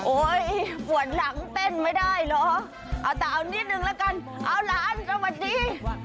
ปวดหลังเต้นไม่ได้เหรอเอาแต่เอานิดนึงละกันเอาหลานสวัสดี